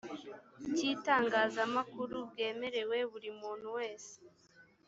cy itangazamakuru bwemerewe buri muntu wese